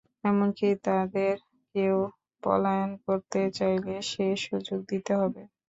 এমন কি তাদের কেউ পলায়ন করতে চাইলে সে সুযোগ দিতে হবে।